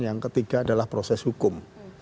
yang ketiga adalah proses hukum